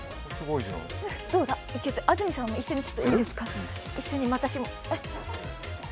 どうだ、安住さんも一緒にどうですか？